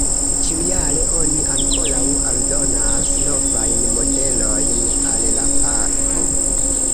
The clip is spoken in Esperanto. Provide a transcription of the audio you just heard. Ĉiujare oni ankoraŭ aldonas novajn modelojn al la parko.